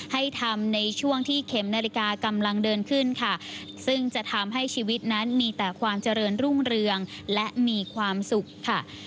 ให้ทำในช่วงที่เข็มนาฬิกากำลังเดินขึ้นค่ะซึ่งจะทำให้ชีวิตนั้นมีแต่ความเจริญรุ่งเรืองและมีความสุขค่ะ